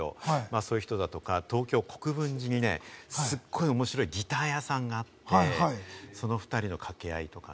そういう人だとか、東京・国分寺にスッゴイ面白いギター屋さんがあって、その２人の掛け合いとかね。